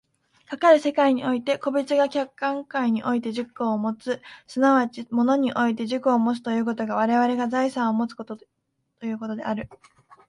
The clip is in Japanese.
かかる世界において個物が客観界において自己をもつ、即ち物において自己をもつということが我々が財産をもつということである。